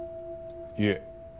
いえ。